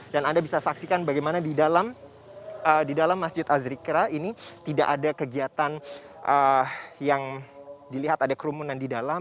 dan anda bisa saksikan bagaimana di dalam masjid azikra ini tidak ada kegiatan yang dilihat ada kerumunan di dalam